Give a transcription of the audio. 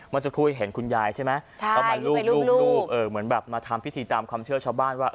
มันจะพูดให้เห็นคุณยายใช่ไหมใช่เออเหมือนแบบมาทำพิธีตามความเชื่อชาวบ้านว่า